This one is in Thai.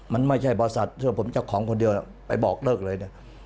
มันไม่ใช่บริษัทเพื่อผมเจ้าของคนเดียวไปบอกเลิกเลยเนี่ย